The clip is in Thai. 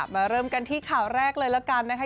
เริ่มกันที่ข่าวแรกเลยละกันนะคะ